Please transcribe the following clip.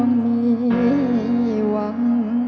สวัสดีครับ